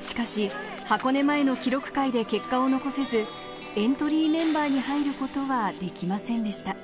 しかし箱根前の記録会で結果を残せず、エントリーメンバーに入ることはできませんでした。